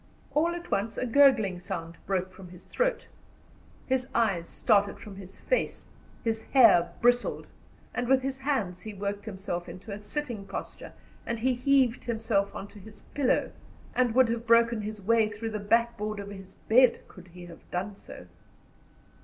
All at once a gurgling sound broke from his throat. His eyes started from his face, his hair bristled, and with his hands he worked himself into a sitting posture, and he heaved himself on to his pillow, and would have broken his way through the backboard of his bed, could he have done so.